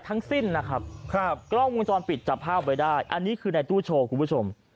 ทั้งสิ้นนะครับครับกล้องวงจรปิดจับภาพไว้ได้อันนี้คือในตู้โชว์คุณผู้ชม